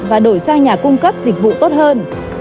và đổi sang nhà cung cấp dịch vụ tốt hơn